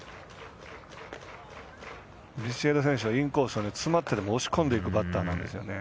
ビシエド選手はインコース詰まっても押し込んでいくバッターなんですね。